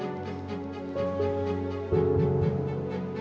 dokter kita tuh kita gucken aja sini